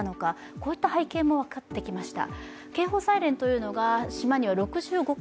こういった背景も分かってきました。